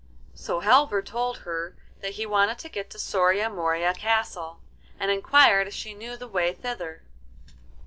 So Halvor told her that he wanted to get to Soria Moria Castle, and inquired if she knew the way thither.